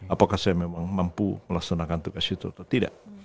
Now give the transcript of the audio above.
apakah saya memang mampu melaksanakan tugas itu atau tidak